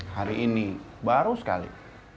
hari ini baru sekali